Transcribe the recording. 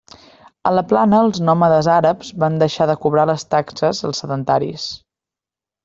A la plana els nòmades àrabs van deixar de cobrar les taxes als sedentaris.